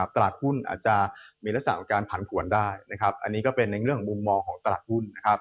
ตลาดหุ้นอาจจะมีลักษณะของการผันผวนได้นะครับอันนี้ก็เป็นในเรื่องของมุมมองของตลาดหุ้น